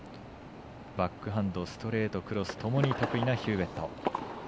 バックハンド、ストレートクロスともに得意なヒューウェット。